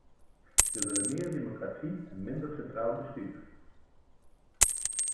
Ze willen meer democratie en minder centraal bestuur.